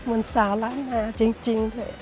วันสารล้านมาจริง